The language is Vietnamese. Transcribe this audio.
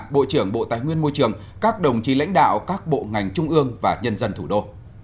bộ trưởng bộ tài nguyên môi trường các đồng chí lãnh đạo các bộ ngành trung ương và nhân dân thủ đô